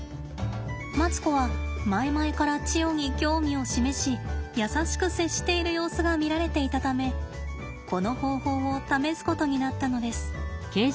マツコは前々からチヨに興味を示し優しく接している様子が見られていたためこの方法を試すことになったのです。